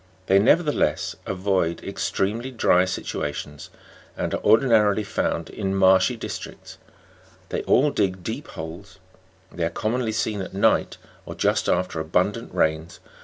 They, nevertheless, avoid ex tremely dry situations, and are ordinarily found in marshy districts. They all dig deep holes. They are commonly seen at night, or just after abundant rains, , Fig. 64.